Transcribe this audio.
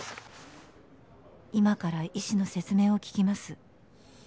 「今から医師の説明を聞きます」。